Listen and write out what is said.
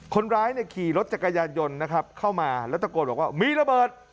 คนร้ายขี่ลถจักรยานยนต์เข้ามาแล้วตะโกดว่ามีระเบิด